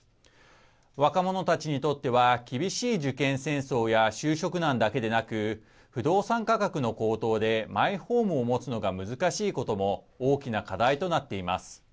若者たちにとっては厳しい受験戦争や就職難だけでなく不動産価格の高騰でマイホームを持つのが難しいことも大きな課題となっています。